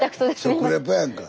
食レポやんか。